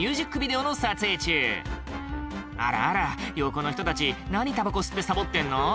あらあら横の人たち何たばこ吸ってサボってんの？